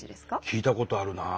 聞いたことあるなあ。